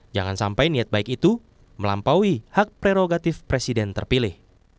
jangan sampai niat baik itu melampaui hak prerogatif presiden terpilih